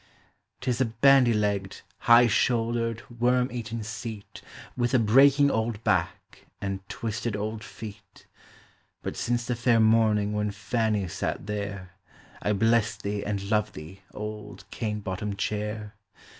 >T is a bandy legged, high shouldered, worm eateu seat, With a breaking old back, and twisted old feet; But since the fair morning when Fanny sat there, I bless thee and love thee, old cane bottomed chair.